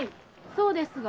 そうですが。